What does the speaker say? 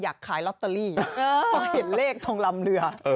อยากขายลอตเตอรี่เพราะเห็นเลขทองลำเรือ